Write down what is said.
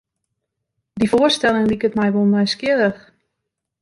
Dy foarstelling liket my wol nijsgjirrich.